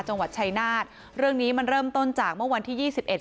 จังหวัดชายนาฏเรื่องนี้มันเริ่มต้นจากเมื่อวันที่ยี่สิบเอ็ด